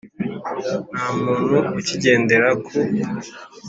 Nta muntu ukigendera ku